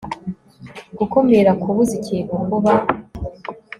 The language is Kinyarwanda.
gukumira kubuza ikintu kuba.